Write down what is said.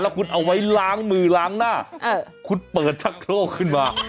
คุณเอาไว้ล้างมือล้างหน้าคุณเปิดชักโครกขึ้นมา